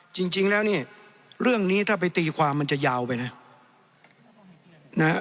จริงแล้วเนี่ยเรื่องนี้ถ้าไปตีความมันจะยาวไปนะ